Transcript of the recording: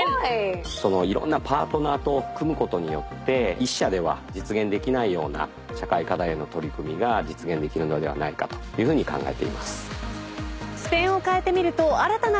いろんなパートナーと組むことによって１社では実現できないような社会課題への取り組みが実現できるのではないかというふうに考えています。